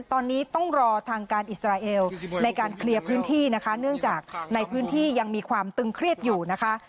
ตอนนี้ต้องรอทางการอิสราเอลในการเคลียร์พื้นที่นะคะเนื่องจากในพื้นที่ยังมีความตึงเครียดอยู่นะคะ